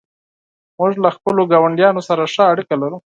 موږ له خپلو ګاونډیانو سره ښه اړیکه لرو.